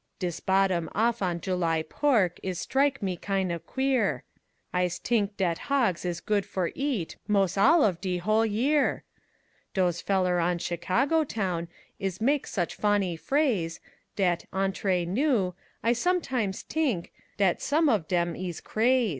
Dis bottom off on July pork Is strike me kin' of queer, I's t'ink dat hogs is good for eat Mos' all of de 'hole year. Dose feller on Chicago town Is mak' such fonny phrase Dat entre nous I sometimes t'ink Dat som' of dem ees craz'.